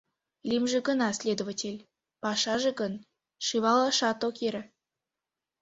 Лӱмжӧ гына следователь, пашаже гын, шӱвалашат ок йӧрӧ.